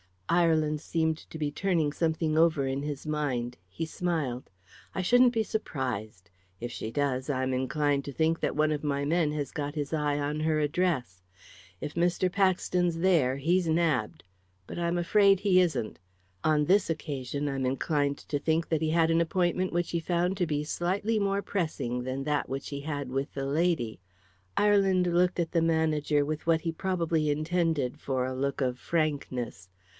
Ireland seemed to be turning something over in his mind. He smiled. "I shouldn't be surprised. If she does, I'm inclined to think that one of my men has got his eye on her address. If Mr. Paxton's there, he's nabbed. But I'm afraid he isn't. On this occasion I'm inclined to think that he had an appointment which he found to be slightly more pressing than that which he had with the lady." Ireland looked at the manager with what he probably intended for a look of frankness.